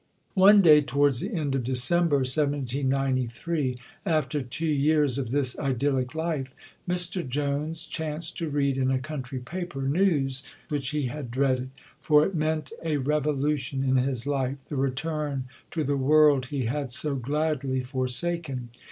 One day towards the end of December, 1793, after two years of this idyllic life, Mr Jones chanced to read in a country paper news which he had dreaded, for it meant a revolution in his life, the return to the world he had so gladly forsaken.